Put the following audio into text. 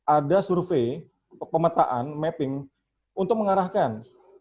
ada survei pemetaan mapping untuk mengarahkan